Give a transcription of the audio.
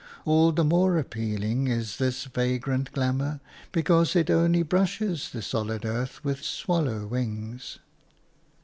All the more appealing is this vagrant glamour, because it only brushes the solid earth with swallow wings.